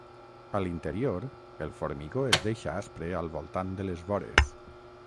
A l'interior, el formigó es deixa aspre al voltant de les vores.